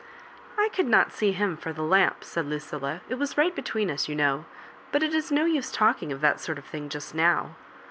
" I could not see him for the lamp," said Lu cilla ;" it was right between us, you know — but it is no use talking of that sort of thing just now.